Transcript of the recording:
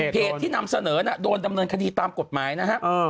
ที่นำเสนอโดนดำเนินคดีตามกฎหมายนะฮะ